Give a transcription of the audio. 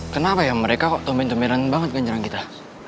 kenapa ya mereka kok tomen tomenan banget nyerang kita